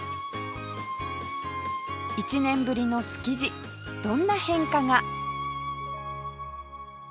１年ぶりの築地どんな変化が？